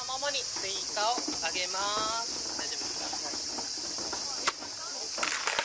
oke sekarang momo akan menambahkan suikah